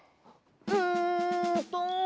うんと。